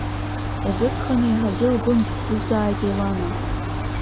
Убысҟан еиҳагьы лгәы нҭӡыӡааит Елана.